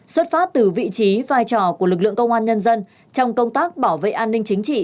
xuất phát từ vị trí vai trò của lực lượng công an nhân dân trong công tác bảo vệ an ninh chính trị